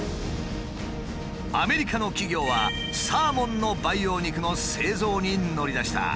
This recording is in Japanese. アメリカの企業はサーモンの培養肉の製造に乗り出した。